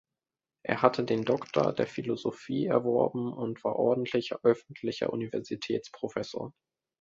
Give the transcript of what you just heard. Er hatte den Doktor der Philosophie erworben und war ordentlicher öffentlicher Universitätsprofessor.